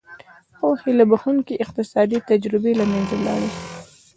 خو هیله بښوونکې اقتصادي تجربې له منځه لاړې.